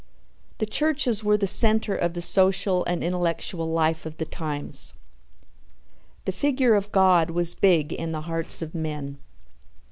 The churches were the center of the social and intellectual life of the times. The figure of God was big in the hearts of men.